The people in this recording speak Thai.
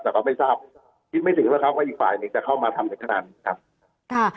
แต่ก็ไม่ทราบคิดไม่ถึงแล้วครับว่าอีกฝ่ายหนึ่งจะเข้ามาทำถึงขนาดนี้ครับ